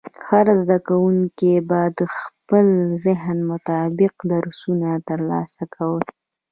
هر زده کوونکی به د خپل ذهن مطابق درسونه ترلاسه کوي.